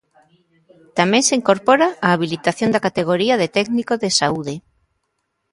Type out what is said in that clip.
Tamén se incorpora a habilitación da categoría de técnico de saúde.